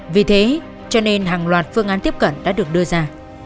vì thế cho nên hàng loạt phương án tiếp cận đã được đưa ra